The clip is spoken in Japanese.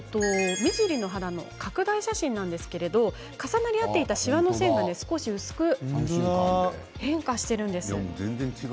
拡大写真なんですが重なり合っていてしわの線が少し薄く変化しているんですよ。